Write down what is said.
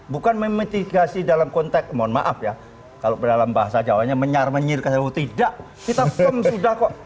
bukan memitigasi dalam konteks mohon maaf ya kalau dalam bahasa jawanya menyar menyir keseluruh tidak kita firm sudah kok